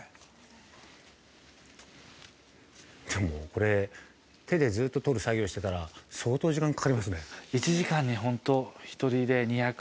◆これ、手でずっととる作業してたら相当時間かかりますね。